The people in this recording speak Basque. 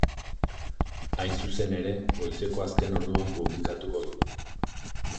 Hain zuzen ere, goizeko azken orduan publikatuko du.